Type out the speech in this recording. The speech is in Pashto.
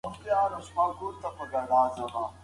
د مڼې ونه تېر کال ډېره شنه او تازه وه.